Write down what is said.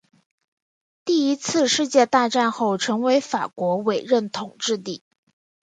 第一次世界大战后成为法国委任统治地。